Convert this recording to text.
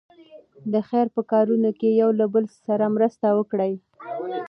د خیر په کارونو کې یو له بل سره مرسته وکړئ.